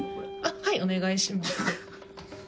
はいお願いします。